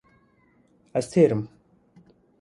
Ez têr im.